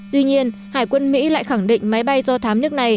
tuy nhiên hải quân mỹ lại khẳng định máy bay do thám của nga là không an toàn